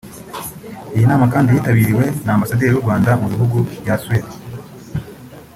Iyo nama kandi yitabiriwe na Ambasaderi w’u Rwanda mu bihugu bya Suède